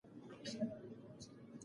د خوښۍ او خندا اړیکه قوي ده.